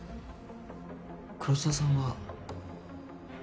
黒澤さんは？